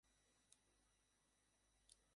তোদের break up হয়ে গেছে নাকি?